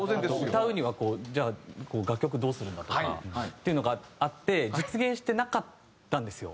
歌うにはこうじゃあ楽曲どうするんだとかっていうのがあって実現してなかったんですよ。